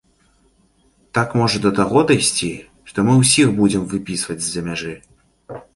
Так можна да таго дайсці, што мы ўсіх будзем выпісваць з-за мяжы!